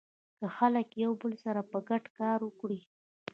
که خلک له يو بل سره په ګډه کار وکړي.